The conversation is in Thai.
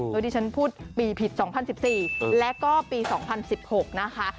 โดยที่ฉันพูดปีผิด๒๐๑๔และก็ปี๒๐๑๖นะคะ